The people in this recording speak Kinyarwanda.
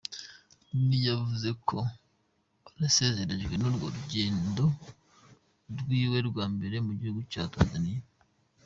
Rooney yavuze ko anezerejwe n'urwo rugendo rwiwe rwa mbere mu gihugu ca Tanzaniya.